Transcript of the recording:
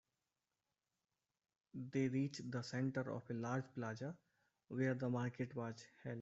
They reached the center of a large plaza where the market was held.